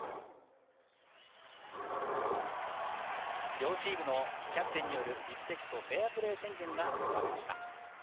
両チームのキャプテンによるリスペクト、フェアプレー宣言が行われました。